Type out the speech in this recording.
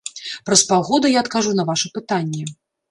Праз паўгода я адкажу на ваша пытанне.